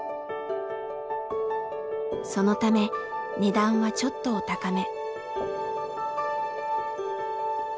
そのため値段はちょっとお高め。